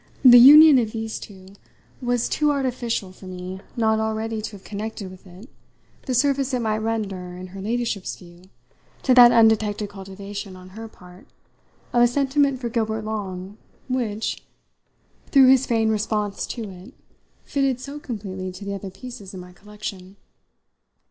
The union of these two was too artificial for me not already to have connected with it the service it might render, in her ladyship's view, to that undetected cultivation, on her part, of a sentiment for Gilbert Long which, through his feigned response to it, fitted so completely to the other pieces in my collection.